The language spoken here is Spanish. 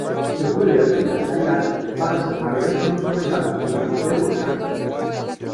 Se puede alquilar kayak para hacer navegación sobre la laguna del volcán.